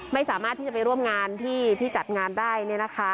ไม่สามารถที่จะไปร่วมงานที่จัดงานได้เนี่ยนะคะ